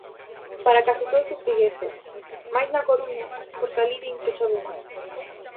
Para case todos os vigueses, máis na Coruña, porque alí din que chove máis.